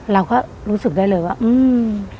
เราก็รู้สึกได้เลยว่าอืม